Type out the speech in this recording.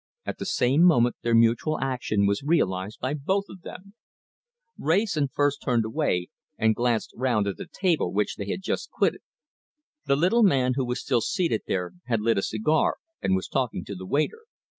At the same moment their mutual action was realized by both of them. Wrayson first turned away and glanced round at the table which they had just quitted. The little man, who was still seated there, had lit a cigar and was talking to the waiter.